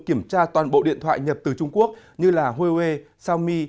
kiểm tra toàn bộ điện thoại nhập từ trung quốc như huawei xiaomi